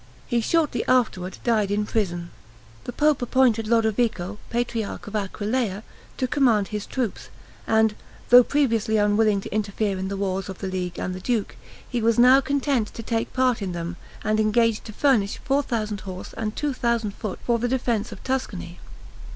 He shortly afterward died in prison. The pope appointed Lodovico, patriarch of Aquileia, to command his troops; and, though previously unwilling to interfere in the wars of the league and the duke, he was now content to take part in them, and engaged to furnish four thousand horse and two thousand foot for the defense of Tuscany.